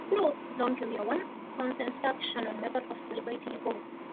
Throughout his long career, one constant stuck - Channon's method of celebrating a goal.